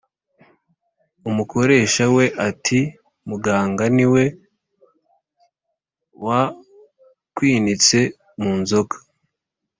umukoresha we ati muganga ni we wakwinitse mu nzoga?